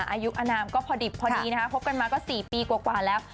อายุอนามก็พอดิบพอดีนะคะพบกันมาก็๔ปีกว่าแล้ว